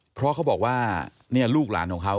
เพราะเขาบอกว่าลูกหลานของเขา